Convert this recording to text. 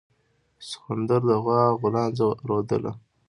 سخوندر د غوا غولانځه رودله.